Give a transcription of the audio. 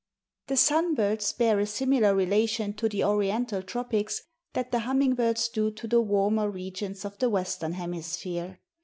The sun birds bear a similar relation to the oriental tropics that the humming birds do to the warmer regions of the Western hemisphere.